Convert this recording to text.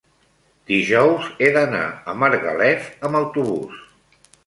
dijous he d'anar a Margalef amb autobús.